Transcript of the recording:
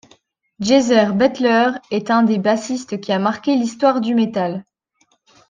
Geezer Butler est un des bassistes qui a marqué l'histoire du metal.